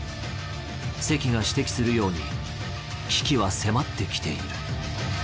関が指摘するように危機は迫ってきている